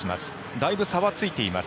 だいぶ差はついています。